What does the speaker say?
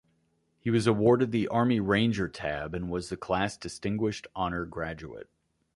He was awarded the Army Ranger tab and was the class Distinguished Honor Graduate.